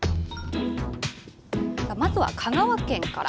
まずは香川県から。